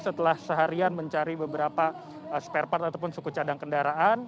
setelah seharian mencari beberapa spare part ataupun suku cadang kendaraan